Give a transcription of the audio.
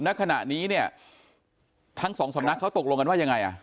ณขณะนี้เนี่ยทั้งสองสำนักเขาตกลงกันว่ายังไงอ่ะ